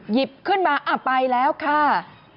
หยิบขึ้นมาไปแล้วค่ะ